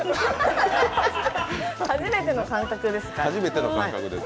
初めての感覚です。